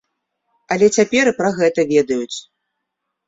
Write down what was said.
Але цяпер і пра гэта ведаюць.